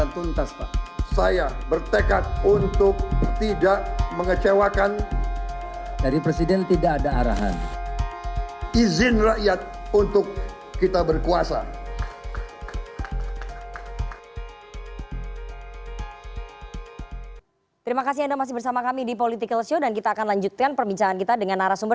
terima kasih anda masih bersama kami di political show dan kita akan lanjutkan perbincangan kita dengan arah sumber